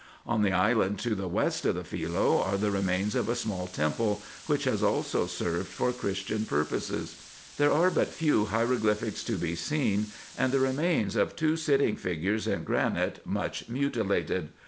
On the island to the west of Philce are the remains of a small temple, which has also served for Christian pur poses. There are but few hieroglyphics to be seen, and the remains of two sitting figures in granite much mutilated.